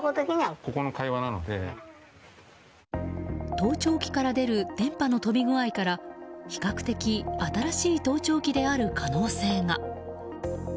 盗聴器から出る電波の飛び具合から比較的新しい盗聴器である可能性が。